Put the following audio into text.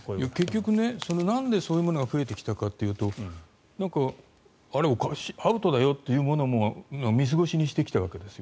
結局、なんでそういうものが増えてきたのかというとあれアウトだよというものも見過ごしにしてきたわけですよ。